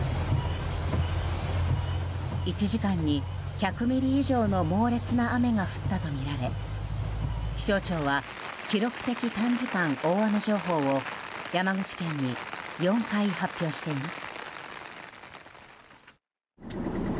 １時間に１００ミリ以上の猛烈な雨が降ったとみられ気象庁は記録的短時間大雨情報を山口県に４回発表しています。